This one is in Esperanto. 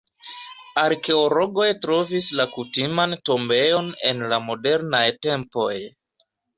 Arkeologoj trovis la kutiman tombejon en la modernaj tempoj.